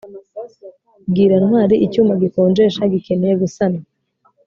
bwira ntwali icyuma gikonjesha gikeneye gusanwa